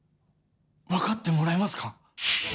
分かってもらえますか？